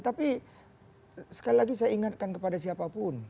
tapi sekali lagi saya ingatkan kepada siapapun